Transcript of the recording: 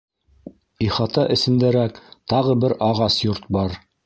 Ихата эсендәрәк тағы бер ағас йорт бар.